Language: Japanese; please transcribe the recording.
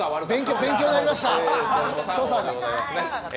勉強になりました。